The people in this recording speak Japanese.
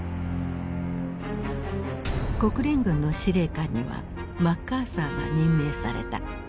国連軍の司令官にはマッカーサーが任命された。